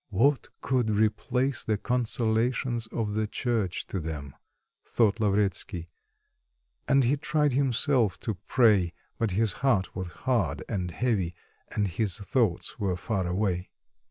"What could replace the consolations of the Church to them?" thought Lavretsky; and he tried himself to pray, but his heart was hard and heavy, and his thoughts were far away.